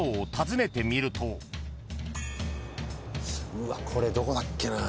うわっこれどこだっけな。